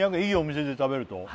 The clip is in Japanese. いいお店で食べると？